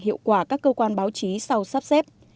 hiệu quả các cơ quan báo chí sau sắp xếp